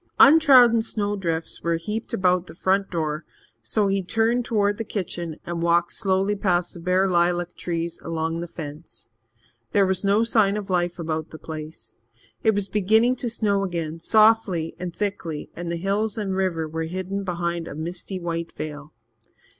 Untrodden snowdrifts were heaped about the front door, so he turned towards the kitchen and walked slowly past the bare lilac trees along the fence. There was no sign of life about the place. It was beginning to snow again, softly and thickly, and the hills and river were hidden behind a misty white veil.